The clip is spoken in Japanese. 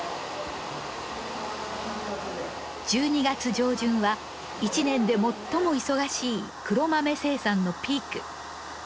１２月上旬は一年で最も忙しい黒豆生産のピーク。